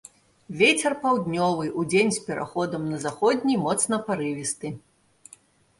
Вецер паўднёвы, удзень з пераходам на заходні моцны парывісты.